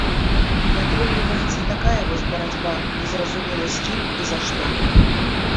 І атрымліваецца такая вось барацьба незразумела з кім і за што.